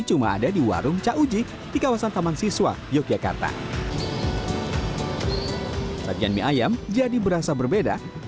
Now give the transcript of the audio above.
cuma ada di warung cak uji di kawasan taman siswa yogyakarta sajian mie ayam jadi berasa berbeda